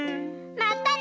またね！